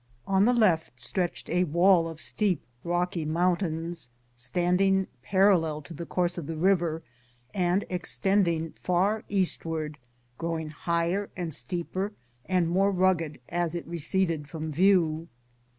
On the left stretched a wall of steep, rocky mountains, standing parallel to the course of the river and ex tending far eastward, growing higher and steeper and more rugged as it receded from view.